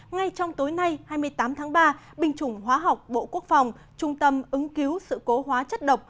ngay trong tối nay hai mươi tám tháng ba binh chủng hóa học bộ quốc phòng trung tâm ứng cứu sự cố hóa chất độc